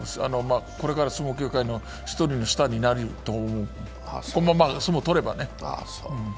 これから相撲協会の一人のスターになると思う、このまま相撲とればね。